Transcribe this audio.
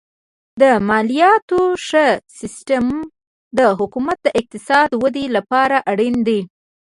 د مالیاتو ښه سیستم د حکومت د اقتصادي ودې لپاره اړین دی.